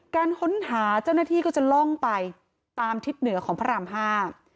การค้นหาเจ้าหน้าที่ก็จะล่องไปตามทิศเหนือของพระรามห้า